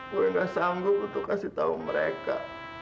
gue gak sanggup untuk kasih tahu mereka